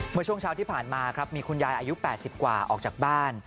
เมื่อช่วงเช้าที่ผ่านมาครับมีคุณยายอายุ๘๐กว่าออกจากบ้าน